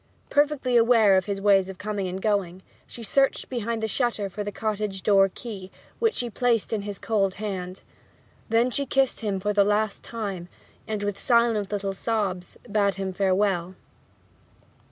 Perfectly aware of his ways of coming and going, she searched behind the shutter for the cottage door key, which she placed in his cold hand. Then she kissed his face for the last time, and with silent little sobs bade him farewell.